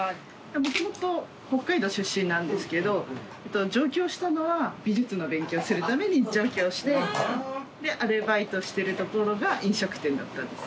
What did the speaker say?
もともと北海道出身なんですけど上京したのは美術の勉強するために上京してアルバイトしてるところが飲食店だったんです。